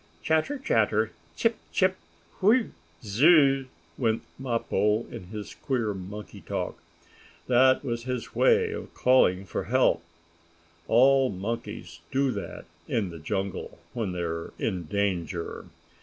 "Chatter! Chatter! Chip! Chip! Whew! Zur r r r r!" went Mappo in his queer monkey talk. That was his way of calling for help. All monkeys do that in the jungle, when they are in danger.